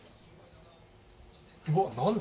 うわっ何だ？